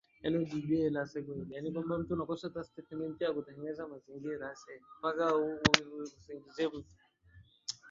ja na mambo mengine mabandiliko hayo ni pamoja na kuongezwa